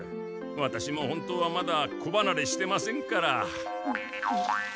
ワタシも本当はまだ子ばなれしてませんから。